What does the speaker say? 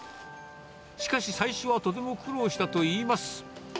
しかし、最初はとても苦労したといいます。